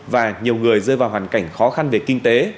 và nhiều người rơi vào hoàn cảnh khó khăn về kinh tế